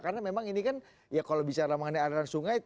karena memang ini kan ya kalau bisa ramahannya aliran sungai